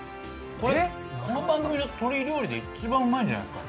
これこの番組の鶏料理で一番うまいんじゃないですか？